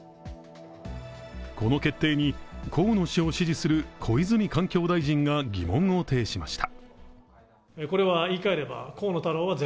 この決定に河野氏を支持する小泉環境大臣が疑問を呈しました。